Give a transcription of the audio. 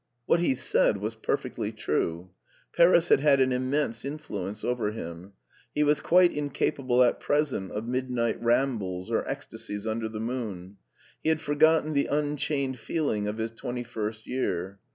What he said was perfectly true. Paris had had an immense influence over him. He was quite incapable at present of mid night rambles or ecstasies under the moon. He had forgotten the unchained feeling of his twenty first year.